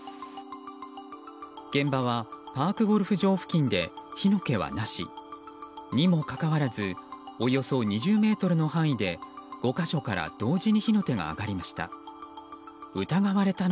現場はパークゴルフ場付近で火の気はなし。にもかかわらずおよそ２０ｍの範囲で５か所から同時に火の手が上がりました。